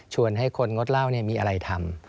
ชวนให้คนงดเหล้าเนี่ยมีอะไรทำ